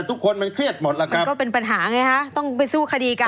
ทุกคนมันเครียดหมดแล้วกันก็เป็นปัญหาไงฮะต้องไปสู้คดีกัน